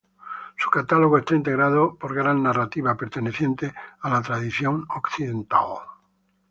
Su catálogo está integrado por Gran Narrativa perteneciente a la tradición occidental.